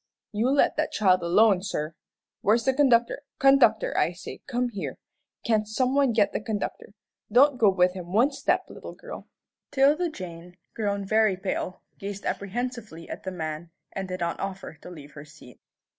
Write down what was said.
"You let that child alone, sir. Where's the conductor? Conductor, I say, come here. Can't some one get the conductor? Don't go with him one step, little girl." 'Tilda Jane, grown very pale, gazed apprehensively at the man, and did not offer to leave her seat.